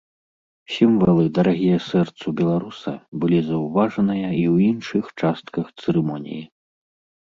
Сімвалы, дарагія сэрцу беларуса, былі заўважаныя і ў іншых частках цырымоніі.